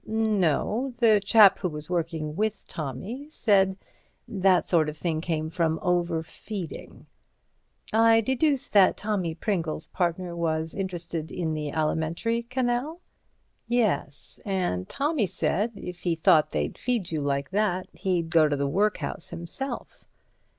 "No. The chap who was working with Tommy said that sort of thing came from overfeeding." "I deduce that Tommy Pringle's partner was interested in the alimentary canal." "Yes; and Tommy said, if he'd thought they'd feed you like that he'd go to the workhouse himself."